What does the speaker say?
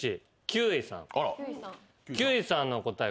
休井さんの答え。